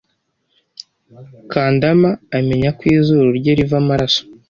Kandama amenya ko izuru rye riva amaraso.